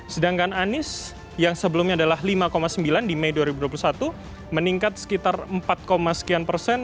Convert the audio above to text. sedangkan anies yang sebelumnya adalah lima sembilan di mei dua ribu dua puluh satu meningkat sekitar empat sekian persen